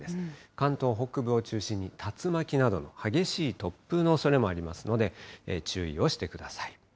関東北部を中心に、竜巻などの激しい突風のおそれもありますので、注意をしてください。